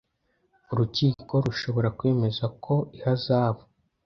urukiko rushobora kwemeza ko ihazabu